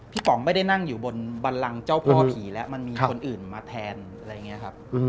ป๋องไม่ได้นั่งอยู่บนบันลังเจ้าพ่อผีแล้วมันมีคนอื่นมาแทนอะไรอย่างนี้ครับ